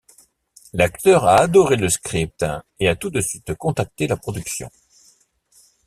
L'acteur a adoré le script et a tout de suite contacté la production.